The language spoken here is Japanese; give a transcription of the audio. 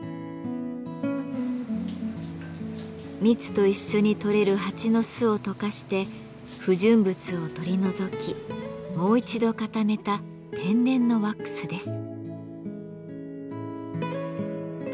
蜜と一緒に採れる蜂の巣を溶かして不純物を取り除きもう一度固めた「天然のワックス」です。